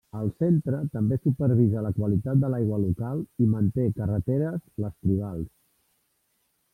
El centre també supervisa la qualitat de l'aigua local i manté carreteres les tribals.